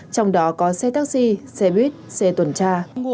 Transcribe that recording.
trong đó có xe taxi xe buýt xe tuần tra